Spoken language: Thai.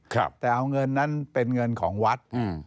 ครับแต่เอาเงินนั้นเป็นเงินของวัดอืม